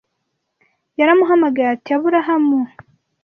Yaramuhamagaye ati Aburahamu